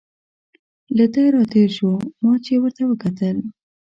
له ده را تېر شو، ما چې ورته وکتل.